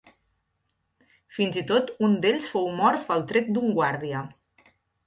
Fins i tot un d'ells fou mort pel tret d'un guàrdia.